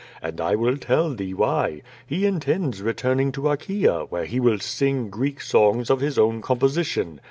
And I will tell thee why. He in tends returning to Achaea, where he will sing Greek songs of his own composition.